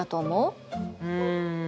うん。